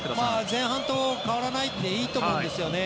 前半と変わらないでいいと思うんですよね。